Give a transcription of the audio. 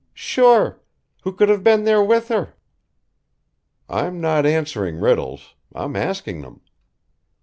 "Sure. Who could have been there with her?" "I'm not answering riddles. I'm asking them."